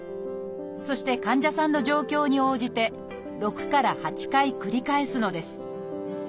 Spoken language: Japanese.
そして患者さんの状況に応じて６から８回繰り返すのです。